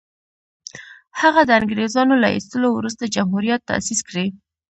هغه د انګرېزانو له ایستلو وروسته جمهوریت تاءسیس کړي.